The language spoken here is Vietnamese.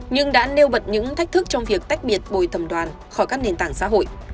nhưng đã nêu bật những thách thức trong việc tách biệt bồi thầm đoàn khỏi các nền tảng xã hội